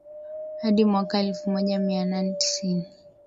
hadi mwaka elfu moja mia nane tisini